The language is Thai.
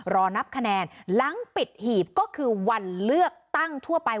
นับคะแนนหลังปิดหีบก็คือวันเลือกตั้งทั่วไป